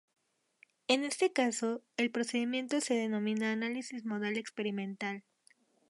En este caso, el procedimiento se denomina análisis modal experimental.